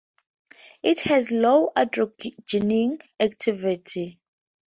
It has low androgenic activity.